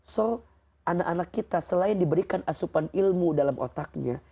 jadi anak anak kita selain diberikan asupan ilmu dalam otaknya